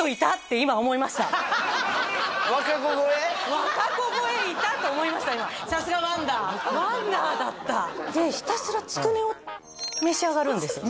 今さすがワンダーワンダーだったでひたすらつくねを召し上がるんです何？